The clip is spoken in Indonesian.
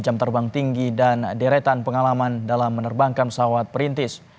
jam terbang tinggi dan deretan pengalaman dalam menerbangkan pesawat perintis